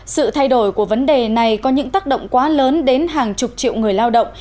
sự thay đổi của vấn đề này có những tác động quá lớn đến hàng chục triệu người lao động